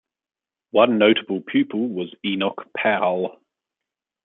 One notable pupil was Enoch Powell.